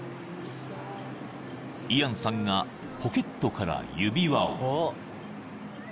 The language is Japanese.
［イアンさんがポケットから指輪を］